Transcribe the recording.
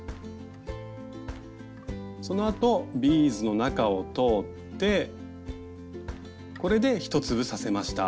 そのあとビーズの中を通ってこれで１粒刺せました。